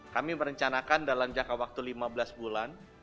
kami merencanakan dalam jangka waktu lima belas bulan